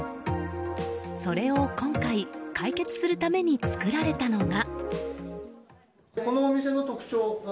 それを今回、解決するために作られたのが。